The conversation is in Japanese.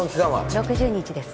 ６０日です